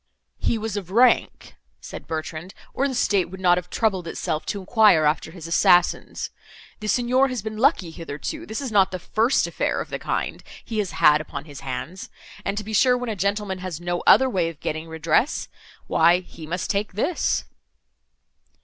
"He was of rank," said Bertrand, "or the State would not have troubled itself to enquire after his assassins. The Signor has been lucky hitherto; this is not the first affair of the kind he has had upon his hands; and to be sure, when a gentleman has no other way of getting redress—why he must take this."